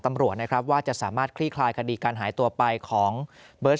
ตำรวจนะครับว่าจะสามารถคลี่คลายคดีการหายตัวไปของเบิร์ต